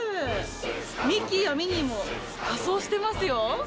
ミッキーやミニーも仮装してますよ。